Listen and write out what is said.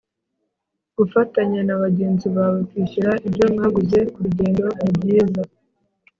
gufatanya na bagenzi bawe kwishyura ibyo mwaguze ku rugendo, nibyiza